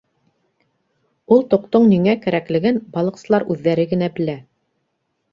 Ул тоҡтоң ниңә кәрәклеген балыҡсылар үҙҙәре генә белә.